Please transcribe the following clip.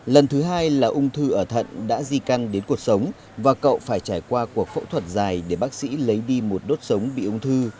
lần thứ hai là ung thư ở thận đã di căn đến cuộc sống và cậu phải trải qua cuộc phẫu thuật dài để bác sĩ lấy đi một đốt sống bị ung thư